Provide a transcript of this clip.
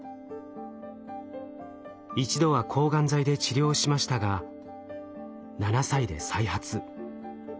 一度は抗がん剤で治療しましたが７歳で再発。